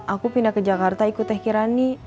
aku pindah ke jakarta ikut teh kirani